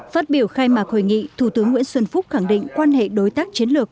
phát biểu khai mạc hội nghị thủ tướng nguyễn xuân phúc khẳng định quan hệ đối tác chiến lược